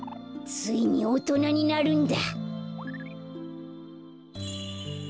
ついにおとなになるんだ！